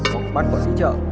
hoặc bán quản lý chợ